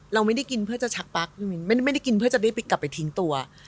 เราไม่ได้กินเพื่อจะชักปั๊กพี่มิ้นไม่ได้กินเพื่อจะได้กลับไปทิ้งตัว